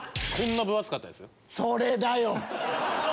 それだよ！